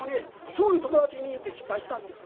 すぐに友達に言うて失敗したんです。